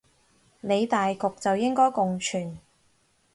理大局就應該共存